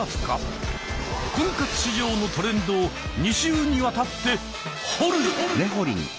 婚活市場のトレンドを２週にわたって掘る！